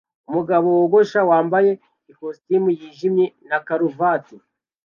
Umugabo wogosha wambaye ikositimu yijimye na karuvati